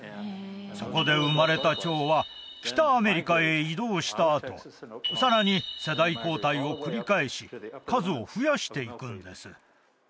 そこで生まれた蝶は北アメリカへ移動したあとさらに世代交代を繰り返し数を増やしていくんです